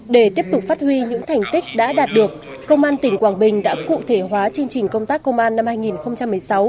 để tiếp tục phát huy những thành tích đã đạt được công an tỉnh quảng bình đã cụ thể hóa chương trình công tác công an năm hai nghìn một mươi sáu